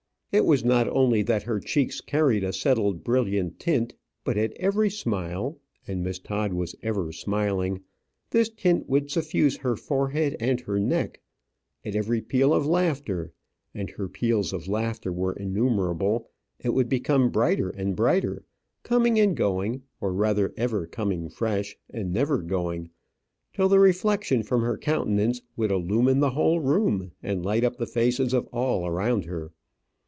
It was not only that her cheeks carried a settled brilliant tint, but at every smile and Miss Todd was ever smiling this tint would suffuse her forehead and her neck; at every peal of laughter and her peals of laughter were innumerable it would become brighter and brighter, coming and going, or rather ever coming fresh and never going, till the reflection from her countenance would illumine the whole room, and light up the faces of all around her.